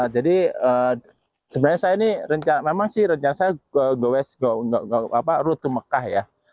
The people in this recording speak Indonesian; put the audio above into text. jadi sebenarnya saya ini rencana memang sih rencana saya route ke mekah ya